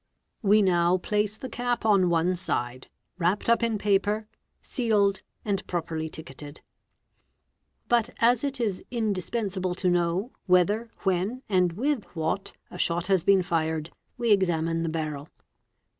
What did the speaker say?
We now place the cap on one side, wrapped up in paper, sealed, and properly ticketed. Cin '" But as it is indispensable to know, whether, when, and with what, a shot has been fired, we examine the barrel.